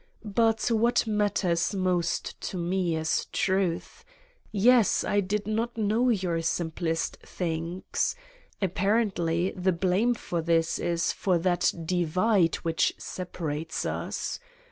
But what matters most to me is truth: Yes, I did not know your simplest things! Apparently the blame for this is for that divide which separates us.